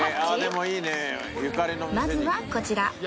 まずはこちら